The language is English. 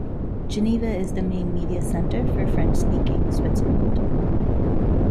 Geneva is the main media centre for French-speaking Switzerland.